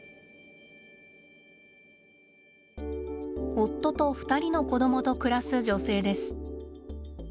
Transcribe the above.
夫と２人の子どもと暮らす女性です。